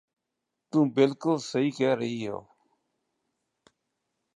ਤੂੰ ਬਿਲਕੁਲ ਸਹੀ ਕਹਿ ਰਹੀ ਹੋ